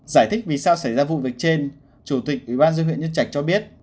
giải thích vì sao xảy ra vụ việc trên chủ tịch ủy ban dân huyện nhân trạch cho biết